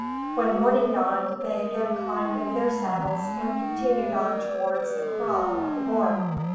When morning dawned they again climbed into their saddles and continued on towards the kraal of the boer.